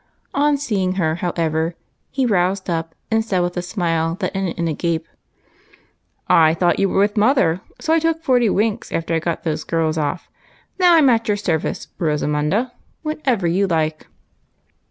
On seeing her, how ever, he roused up and said with a smile that ended in a gape, —" I thought you were with mother, so I took forty winks after I got those girls off. Now, I 'm at your service, Rosamunda, whenever you like."